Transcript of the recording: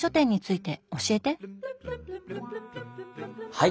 はい。